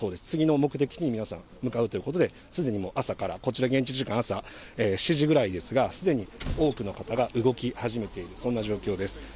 次の目的地に皆さん、向かうということで、すでに朝からこちら、現地時間朝７時ぐらいですが、すでに多くの方が動き始めている、そんな状況です。